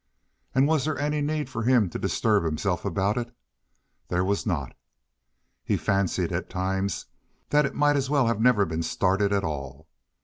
And was there any need for him to disturb himself about it? There was not. He fancied at times that it might as well never have been started at all.